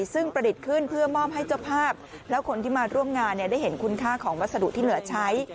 ซึ่งประดิษฐ์ขึ้นเพื่อมอบให้เจ้าภาพแล้วคนที่มาร่วมงานได้เห็นคุณค่าของวัสดุที่เหลือใช้